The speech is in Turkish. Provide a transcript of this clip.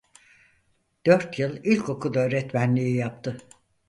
Dört yıl ilkokul öğretmenliği yaptı.